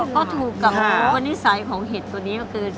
ก็ถูกกับรู้ว่านิสัยของเห็ดตัวนี้ก็คือ